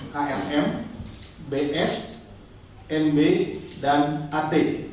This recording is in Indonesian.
krm bs mb dan at